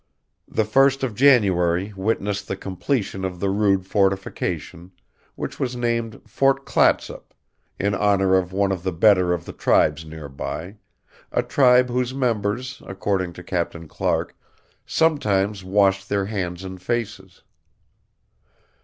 The first of January witnessed the completion of the rude fortification, which was named Fort Clatsop, in honor of one of the better of the tribes near by, a tribe whose members, according to Captain Clark, "sometimes washed their hands and faces."